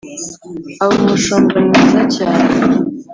aba umushumba mwiza cyane.